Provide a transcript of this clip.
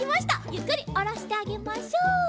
ゆっくりおろしてあげましょう。